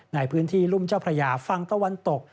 ในพื้นที่รุ่มเจ้าพระยาฝั่งตะวันตก